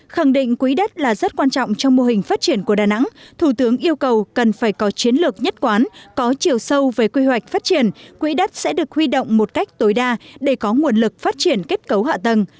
khẳng định quỹ đất là rất quan trọng trong mô hình phát triển của đà nẵng thủ tướng yêu cầu cần phải có chiến lược nhất quán có chiều sâu về quy hoạch phát triển quỹ đất sẽ được huy động một cách tối đa để có nguồn lực phát triển kết cấu hạ tầng